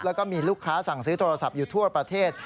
แล้วก็มีลูกค้าสั่งซื้อโทรศัพท์อยู่ทั่วประเทศ